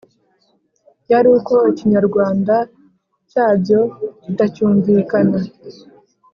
yari uko ikinyarwanda cya byo kitacyumvikana.